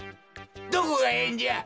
どこがええんじゃ！